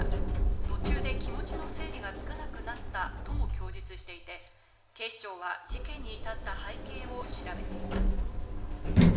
途中で気持ちの整理がつかなくなったとも供述していて、警視庁は事件に至った背景を調べています。